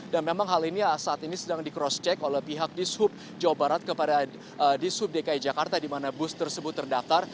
dan memang hal ini saat ini sedang di cross check oleh pihak dishub jawa barat kepada dishub dki jakarta di mana bus tersebut terdakar